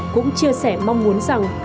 cũng chia sẻ mong muốn rằng